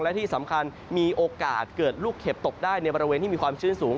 และที่สำคัญมีโอกาสเกิดลูกเห็บตกได้ในบริเวณที่มีความชื้นสูง